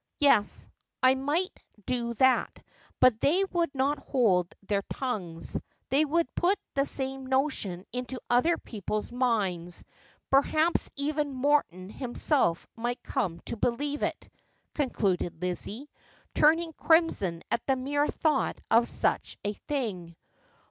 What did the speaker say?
' Yes, I might do that ; but they would not hold their tongues. They would put the same notion into other people's minds ; perhaps even Morton himself might come to believe it,' concluded Lizzie, turning crimson at the mere thought of such a thing.